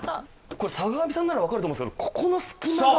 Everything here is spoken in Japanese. これ坂上さんならわかると思うんですけどここの隙間が。